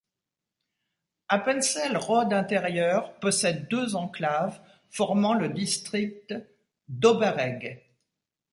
Appenzell Rhodes-Intérieures possède deux enclaves, formant le district d'Oberegg.